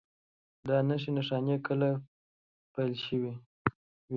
دا نښې نښانې کله پیل شوي؟